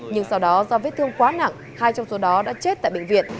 nhưng sau đó do vết thương quá nặng hai trong số đó đã chết tại bệnh viện